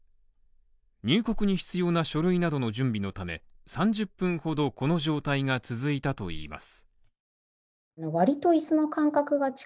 入国に必要な書類などの準備のため３０分ほどこの状態が続いたといいます。